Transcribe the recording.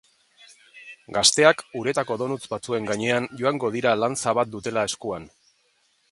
Gazteak uretako donuts batzuen gainean joango dira lanza bat dutela eskuan.